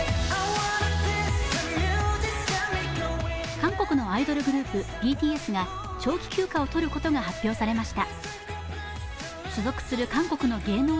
韓国のアイドルグループ、ＢＴＳが長期休暇を取ることが発表されました。